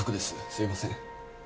すいません。